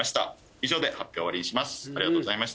以上で発表を終わりにします